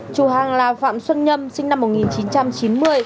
chủ hàng là phạm xuân nhâm sinh năm một nghìn chín trăm chín mươi